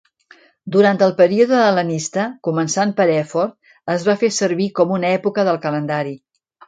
Durant el període hel·lenista, començant per Èfor, es va fer servir com una època del calendari.